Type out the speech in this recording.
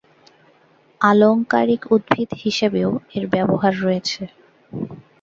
আলংকারিক উদ্ভিদ হিসেবেও এর ব্যবহার রয়েছে।